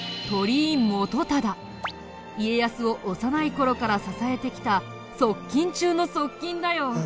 家康を幼い頃から支えてきた側近中の側近だよ。